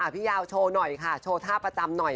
พี่ยาวโชว์หน่อยค่ะโชว์ท่าประจำหน่อย